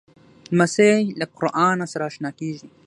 لمسی له قرآنه سره اشنا کېږي.